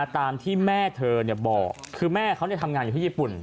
ตามที่แม่เธอบอกคือแม่เขาทำงานอยู่ที่ญี่ปุ่น